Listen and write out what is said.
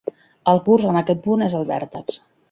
El curs en aquest punt és el vèrtex.